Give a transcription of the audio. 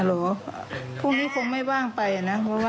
ฮัลโหลพรุ่งนี้คงไม่ว่างไปนะเพราะว่าเราก็